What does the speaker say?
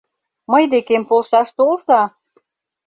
— Мый декем полшаш толза!